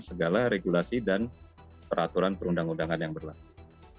segala regulasi dan peraturan perundang undangan yang berlaku